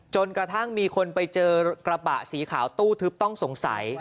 จนกระทั่งมีคนไปเจอกระบะสีขาวตู้ทึบต้องสงสัย